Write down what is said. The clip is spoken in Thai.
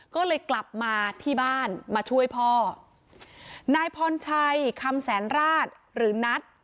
ก็เลยกลับมาที่บ้านมาช่วยพ่อนายพรชัยคำแสนราชหรือนัท